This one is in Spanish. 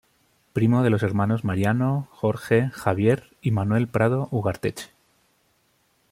Primo de los hermanos Mariano, Jorge, Javier y Manuel Prado Ugarteche.